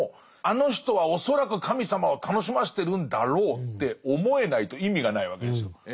「あの人は恐らく神様を楽しませてるんだろう」って思えないと意味がないわけですよ。